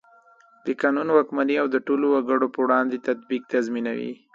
د قانون واکمني او د ټولو وګړو په وړاندې تطبیق تضمینوي.